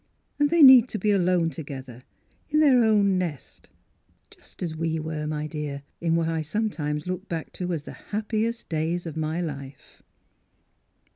And they need to be alone to gether, in their own nest, just as we were, Miss Pkilura's Wedding Gown my dear, in what I sometimes look back to as the happiest days of my life."